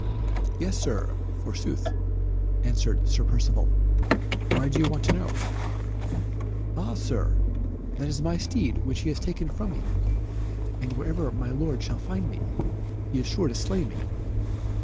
"Yes, Sir, forsooth," answered Sir Percivale, "why do you want to know?" "Ah, Sir, that is my steed which he has taken from me, and wherever my lord shall find me, he is sure to slay me."